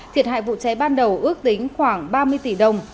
thiệt hại vụ cháy ban đầu ước tính khoảng ba mươi tỷ đồng